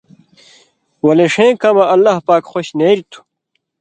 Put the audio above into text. ولے ݜیں کمہۡ اللہ پاک خوش نېریۡ تھُو۔